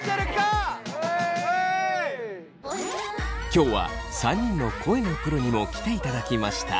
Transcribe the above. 今日は３人の声のプロにも来ていただきました。